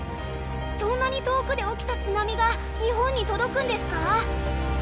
そんなに遠くで起きた津波が日本に届くんですか？